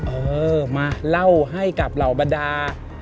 เออมาเล่าให้กับเหล่าบรรดา